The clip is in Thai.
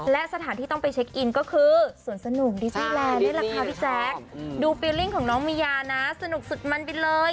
และสถานที่ต้องไปเช็คอินก็คือสวนสนุนดิสเตอร์แลนด์ดูฟิลลิ่งของน้องมียาสนุกสุดมันไปเลย